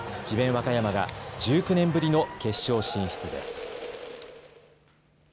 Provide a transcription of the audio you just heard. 和歌山が１９年ぶりの決勝進出です。